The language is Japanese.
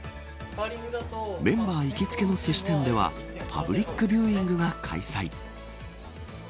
メンバー行きつけのすし店ではパブリックビューイングが開催。